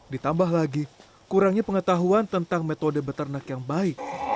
ditambah lagi kurangnya pengetahuan tentang metode beternak yang baik